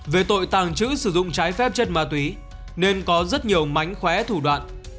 về tội tàng trữ sử dụng trái phép chất ma túy nên có rất nhiều mánh khóe thủ đoạn